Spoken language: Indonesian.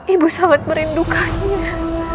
ibu sangat merindukannya